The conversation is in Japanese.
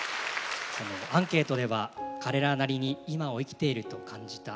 アンケートでは「彼らなりに今を生きていると感じた」